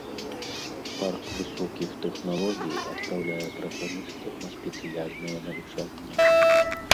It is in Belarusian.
Парк высокіх тэхналогій адпраўляе праграмістаў на спецыяльнае навучанне.